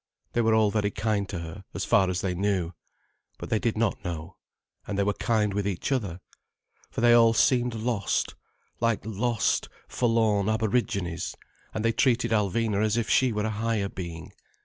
They were all very kind to her, as far as they knew. But they did not know. And they were kind with each other. For they all seemed lost, like lost, forlorn aborigines, and they treated Alvina as if she were a higher being.